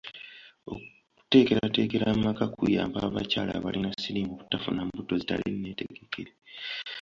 Okuteekerateekera amaka kuyamba abakyala abalina siriimu obutafuna mbuto zitali nneetegekere.